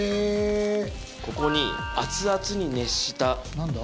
ここに熱々に熱した・何だ？